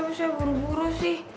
bisa buru buru sih